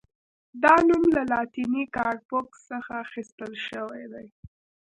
دا نوم له لاتیني «کارپوس» څخه اخیستل شوی دی.